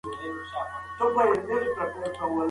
هغوی درمل هم واردوي.